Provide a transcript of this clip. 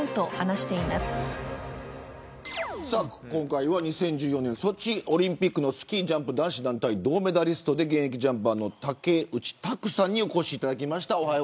今回は２０１４年ソチオリンピックのスキージャンプ男子団体銅メダリストで現役ジャンパーの竹内択さんにお越しいただきました。